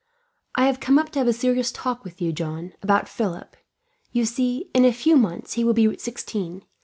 "I have come up to have a serious talk with you, John, about Philip. You see, in a few months he will be sixteen.